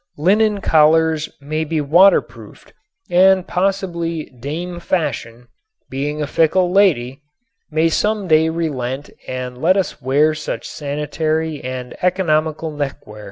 Linen collars may be water proofed and possibly Dame Fashion being a fickle lady may some day relent and let us wear such sanitary and economical neckwear.